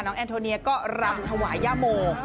น้องแอนโทเนียนะก็ลำถวาย่ามู่